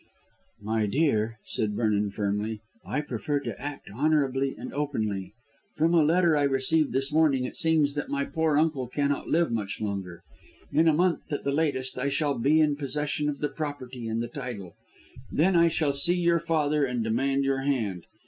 "My dear," said Vernon firmly, "I prefer to act honourably and openly. From a letter I received this morning it seems that my poor uncle cannot live much longer. In a month at the latest I shall be in possession of the property and the title; then I shall see your father and demand your hand.